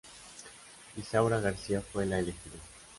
Isaura Garcia fue la elegida.